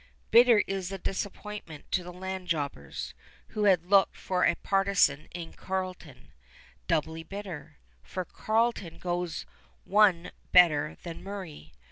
Bitter is the disappointment to the land jobbers, who had looked for a partisan in Carleton; doubly bitter, for Carleton goes one better than Murray.